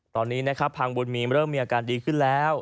ตอนนี้นะครับพังบุญมีเริ่มมีอาการดีขึ้นแล้ว